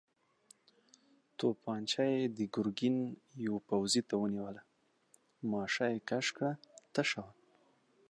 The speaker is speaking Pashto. توپانجه يې د ګرګين يوه پوځي ته ونيوله، ماشه يې کش کړه، تشه وه.